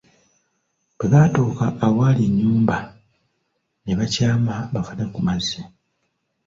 Bwe baatuuka awali ennyumba, ne bakyama bafune ku mazzi.